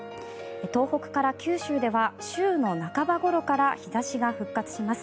東北から九州では週の半ばごろから日差しが復活します。